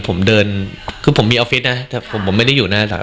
ผมเดินคือผมมีออฟฟิศนะแต่ผมผมไม่ได้อยู่หน้าสาว